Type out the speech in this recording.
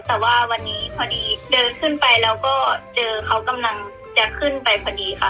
แต่ว่าวันนี้พอดีเดินขึ้นไปแล้วก็เจอเขากำลังจะขึ้นไปพอดีค่ะ